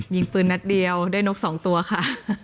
ยิงปืนนัดเดียวได้นกสองตัวนะคะ